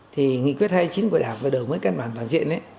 thì nghị quyết hay chính của đảng và đổi mới căn bản toàn diện